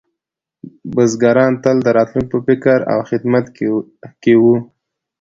بزګران تل د راتلونکي په فکر او خدمت کې وو.